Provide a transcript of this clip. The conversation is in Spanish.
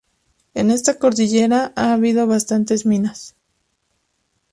En esta cordillera ha habido bastantes minas.